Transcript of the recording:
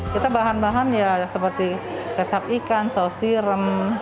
kita bahan bahan ya seperti kecap ikan saus sirem